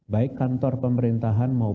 baik kantor pemerintahan maupun